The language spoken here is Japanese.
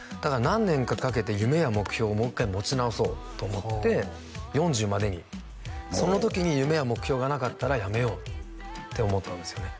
何年かかけて夢や目標をもう一回持ち直そうと思って４０までにその時に夢や目標がなかったらやめようって思ったんですよね